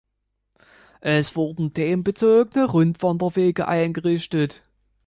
Es wurden themenbezogenen Rundwanderwege eingerichtet.